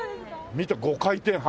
見た５回転半。